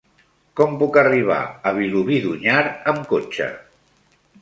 Com puc arribar a Vilobí d'Onyar amb cotxe?